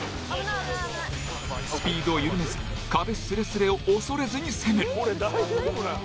スピードを緩めず壁すれすれを恐れずに攻める。